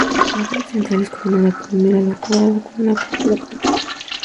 La parte central es coronada por un mirador cuadrado con una cúpula plana.